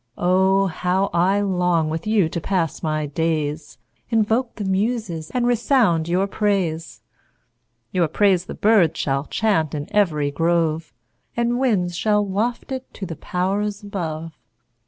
Oh! How I long with you to pass my days, Invoke the muses, and resound your praise; Your praise the birds shall chant in ev'ry grove, And winds shall waft it to the pow'rs above.